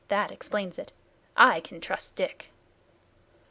"That explains it. I can trust Dick."